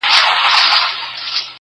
o د بېعقل جواب سکوت دئ٫